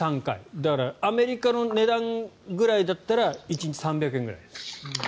だからアメリカの値段ぐらいだったら１日３００円ぐらいです。